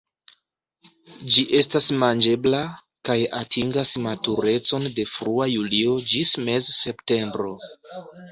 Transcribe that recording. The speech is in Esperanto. Ĝi estas manĝebla, kaj atingas maturecon de frua julio ĝis mez-septembro.